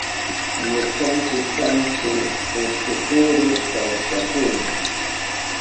Ñukanchi kanchi kuchupuru kawsakkuna.